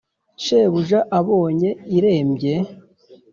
shebuja abonye irembye,